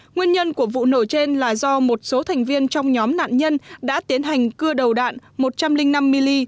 nguyên nhân của vụ nổ trên là do một số thành viên trong nhóm nạn nhân đã tiến hành cưa đầu đạn một trăm linh năm milli